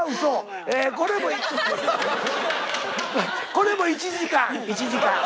これも１時間１時間。